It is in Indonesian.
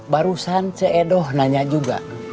barusan ce edho nanya juga